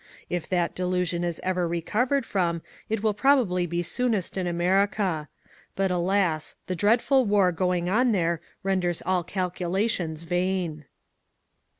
If that delusion is ever recovered from it will probably be soonest in America. But alas, the dreadful war going on there renders all calculations vain."